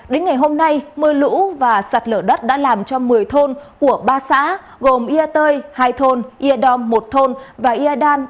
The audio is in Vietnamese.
đến ngày hôm nay mưa lũ và sạt lở đất đã làm cho một mươi thôn của ba xã gồm ia tơi hai thôn ia đom một thôn và ia đan